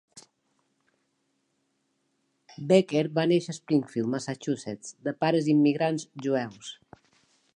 Becker va néixer a Springfield, Massachusetts, de pares immigrants jueus.